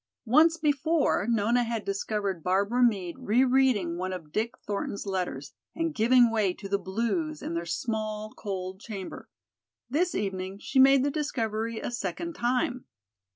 Once before Nona had discovered Barbara Meade rereading one of Dick Thornton's letters and giving way to the blues in their small, cold chamber. This evening she made the discovery a second time.